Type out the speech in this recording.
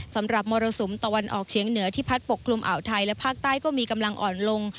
มรสุมตะวันออกเฉียงเหนือที่พัดปกคลุมอ่าวไทยและภาคใต้ก็มีกำลังอ่อนลง